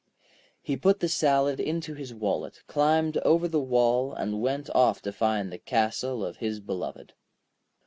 He put the salad into his wallet, climbed over the wall, and went off to find the castle of his beloved.